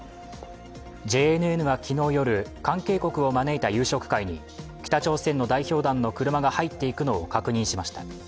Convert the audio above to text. ＪＮＮが昨日夜、関係国を招いた夕食会に北朝鮮の代表団の車が入っていくのを確認しました。